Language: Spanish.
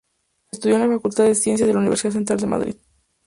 Estudió en la Facultad de Ciencias de la Universidad Central de Madrid.